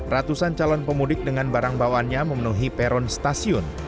ratusan calon pemudik dengan barang bawaannya memenuhi peron stasiun